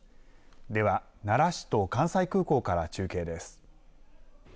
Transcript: では奈良市と関西空港から中継です。